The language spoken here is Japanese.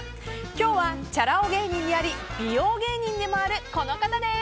今日はチャラ男芸人であり美容芸人でもある、この方です。